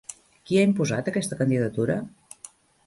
Qui ha imposat aquesta candidatura?